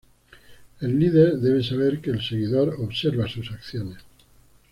El líder debe saber que el seguidor observa sus acciones.